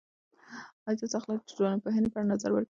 ایا تاسې حق لرئ چې د ټولنپوهنې په اړه نظر ورکړئ؟